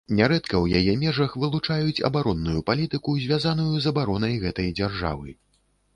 Нярэдка ў яе межах вылучаюць абаронную палітыку, звязаную з абаронай гэтай дзяржавы.